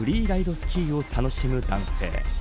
スキーを楽しむ男性。